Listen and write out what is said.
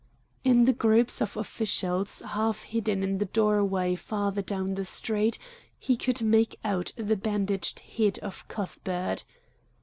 In the groups of officials half hidden in the doorway farther down the street, he could make out the bandaged head of Cuthbert.